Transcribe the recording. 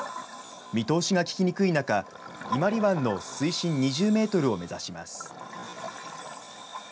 見通しが利きにくい中、伊万里湾の水深２０メートルを目指します。